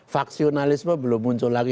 vaksionalisme belum muncul lagi